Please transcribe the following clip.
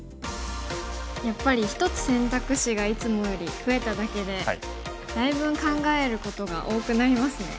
やっぱり１つ選択肢がいつもより増えただけでだいぶん考えることが多くなりますね。